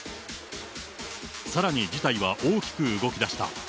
さらに事態は大きく動きだした。